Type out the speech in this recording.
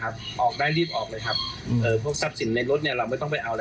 ออกได้รีบออกเลย